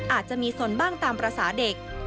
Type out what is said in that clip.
อาจจะมีสนบ้างตามภาษาเด็ก